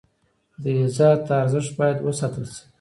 د عزت ارزښت باید وساتل شي.